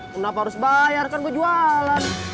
kenapa harus bayar kan gue jualan